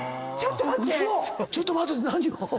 「ちょっと待って」って何を？